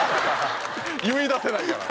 言い出せないから。